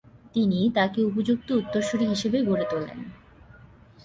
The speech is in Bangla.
তিনি তাঁকে উপযুক্ত উত্তরসূরি হিসাবে গড়ে তোলেন।